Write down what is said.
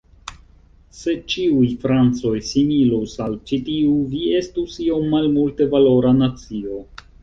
Se ĉiuj Francoj similus al ĉi tiu, vi estus iom malmulte-valora nacio.